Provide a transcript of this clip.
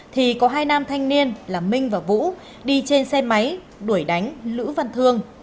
thì có hai nam thanh niên là minh và vũ đi trên xe máy đuổi đánh lữ văn thương